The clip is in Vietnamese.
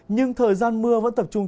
nhưng thời gian mưa vẫn tập trung